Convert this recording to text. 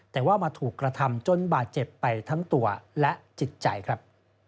แต่ว่ามาถูกกระทำจนบาดเจ็บไปทั้งตัวและจิตใจครับ